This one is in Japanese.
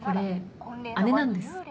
これ姉なんです。